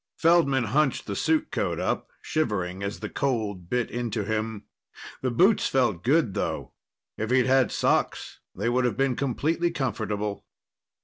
Feldman hunched the suitcoat up, shivering as the cold bit into him. The boots felt good, though; if he'd had socks, they would have been completely comfortable.